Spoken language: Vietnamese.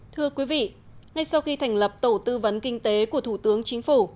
thưa quý vị ngay sau khi thành lập tổ tư vấn kinh tế của thủ tướng chính phủ